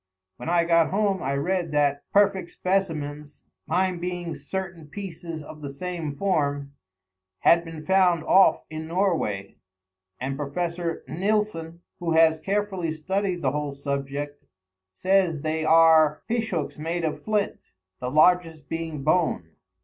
When I got home I read that perfect specimens, mine being certain pieces of the same form, had been found off in Norway; and Professor Nilsson, who has carefully studied the whole subject, says they are fish hooks made of flint, the largest being bone.